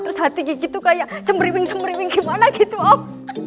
terus hati kiki itu kayak sembriwing sembriwing gimana gitu om